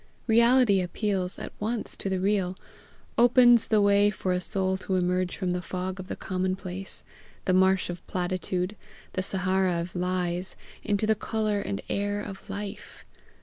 Reality appeals at once to the real, opens the way for a soul to emerge from the fog of the commonplace, the marsh of platitude, the Sahara of lies, into the colour and air of life.